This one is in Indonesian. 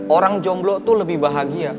orang jomblo itu lebih bahagia